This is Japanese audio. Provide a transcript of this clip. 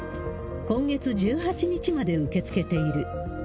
今月１８日まで受け付けている。